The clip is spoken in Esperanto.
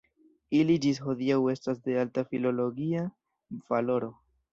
Ili ĝis hodiaŭ estas de alta filologia valoro.